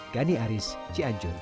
gani aris cianjur